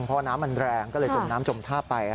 เพราะน้ำมันแรงก็เลยจมน้ำจมท่าไป